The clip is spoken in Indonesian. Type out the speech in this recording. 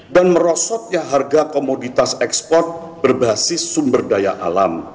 dan merosotnya harga komoditas ekspor berbasis sumber daya alam